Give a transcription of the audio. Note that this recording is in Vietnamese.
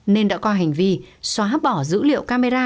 nên đã coi hành vi xóa bỏ dữ liệu camera